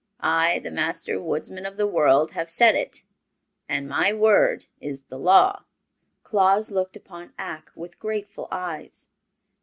I, the Master Woodsman of the World, have said it, and my Word is the Law!" Claus looked upon Ak with grateful eyes.